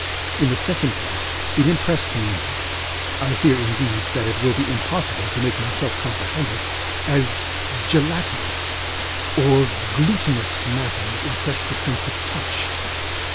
In the second place, it impressed me (I fear, indeed, that it will be impossible to make myself comprehended) as gelatinous or glutinous matters impress the sense of touch.